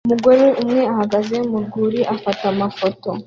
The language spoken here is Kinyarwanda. Umugore umwe ahagaze mu rwuri afata amafoto